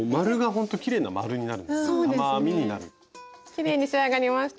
きれいに仕上がりました。